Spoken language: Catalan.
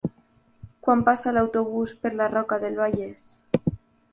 Quan passa l'autobús per la Roca del Vallès?